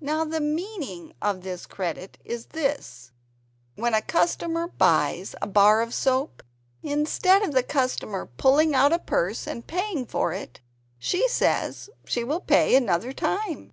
Now the meaning of "credit" is this when a customer buys a bar of soap, instead of the customer pulling out a purse and paying for it she says she will pay another time.